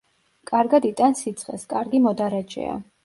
კარგად იტანს სიცხეს, კარგი მოდარაჯეა.